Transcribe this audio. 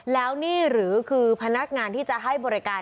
แล้วนี่หรือคือพนักงานที่จะให้บริการ